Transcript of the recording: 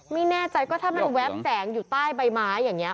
ไม่แน่ใจก็ถ้ามันแป๊บแสงอยู่ใต้ใบไม้อย่างนี้